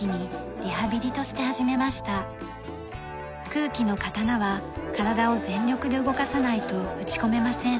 空気の刀は体を全力で動かさないと打ち込めません。